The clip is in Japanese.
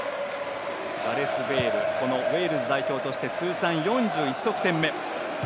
ガレス・ベイルウェールズ代表として通算４１得点目。